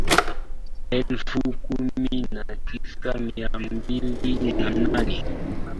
elfu kumi na tisa mia mbili na nane